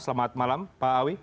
selamat malam pak awi